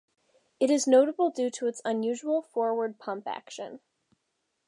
It is notable due to its unusual forward pump action.